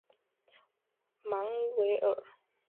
芒维厄。